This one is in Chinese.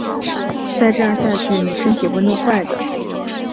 再这样下去妳身体会弄坏的